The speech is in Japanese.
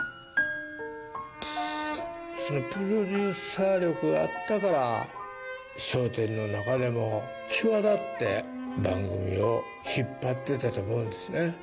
そのプロデューサー力があったから、笑点の中でも際立って番組を引っ張ってたと思うんですね。